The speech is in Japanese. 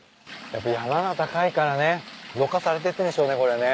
やっぱ山が高いからねろ過されてってんでしょうねこれね。